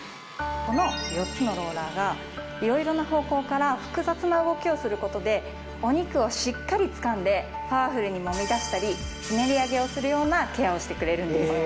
この４つのローラーがいろいろな方向から複雑な動きをすることでお肉をしっかりつかんでパワフルにもみ出したりひねり上げをするようなケアをしてくれるんです。